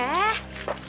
dan yang lebih baik